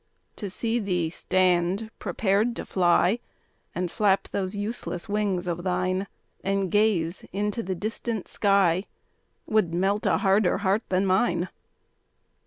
To see thee stand prepared to fly, And flap those useless wings of thine, And gaze into the distant sky, Would melt a harder heart than mine.